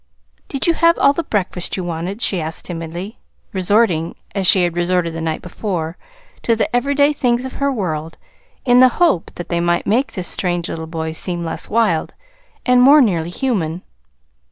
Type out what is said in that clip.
"Did you have all the breakfast you wanted?" she asked timidly, resorting, as she had resorted the night before, to the everyday things of her world in the hope that they might make this strange little boy seem less wild, and more nearly human.